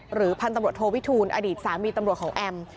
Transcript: พันธุ์ตำรวจโทวิทูลอดีตสามีตำรวจของแอม